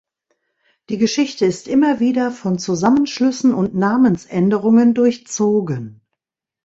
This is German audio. Die Geschichte ist immer wieder von Zusammenschlüssen und Namensänderungen durchzogen.